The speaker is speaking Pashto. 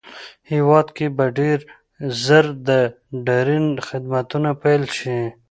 هېواد کې به ډېر زر د ټرېن خدمتونه پېل شي